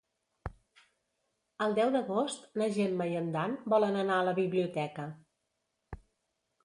El deu d'agost na Gemma i en Dan volen anar a la biblioteca.